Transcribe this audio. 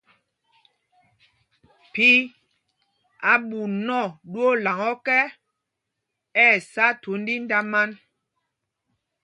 Phī ɛ̂ ɓuu nɔ ɗwoolaŋ ɔ́kɛ, ɛ́ ɛ́ sá thund índamān.